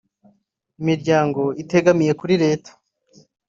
imiryango itegemiye kuri Leta